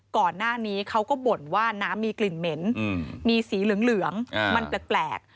ก่อนหน้านี้เขาก็บ่นว่าน้ำมีกลิ่นเหม็นมีสีเหลืองมันแปลก